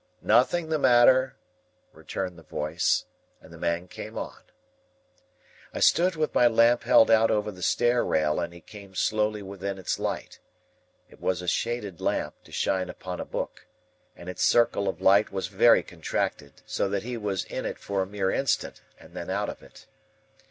"Nothing the matter," returned the voice. And the man came on. I stood with my lamp held out over the stair rail, and he came slowly within its light. It was a shaded lamp, to shine upon a book, and its circle of light was very contracted; so that he was in it for a mere instant, and then out of it.